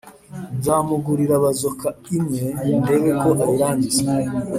Nzamugurira bazooka imwe ndebe ko ayirangiza